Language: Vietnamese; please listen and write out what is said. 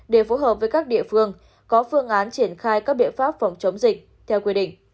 để phối hợp với các địa phương có phương án triển khai các biện pháp phòng chống dịch theo quy định